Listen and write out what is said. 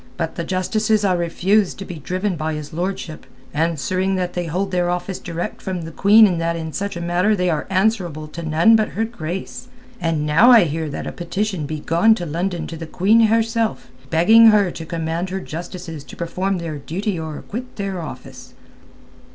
But the Justices ha' refused to be driven by his lordship, answering that they hold their office direct from the Queen and that in such a matter they are answerable to none but her grace. And now I hear that a petition be gone to London to the Queen herself, begging her to command her Justices to perform their duty or quit their office."